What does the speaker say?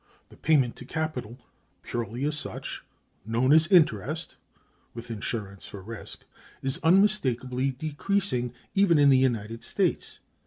The payment to capital, purely as such, known as interest (with insurance for risk), is unmistakably decreasing, even in the United States.